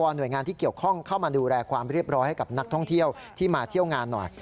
หน่วยงานที่เกี่ยวข้องเข้ามาดูแลความเรียบร้อยให้กับนักท่องเที่ยวที่มาเที่ยวงานหน่อย